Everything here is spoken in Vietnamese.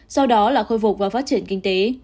sau đó là khôi phục và phát triển kinh tế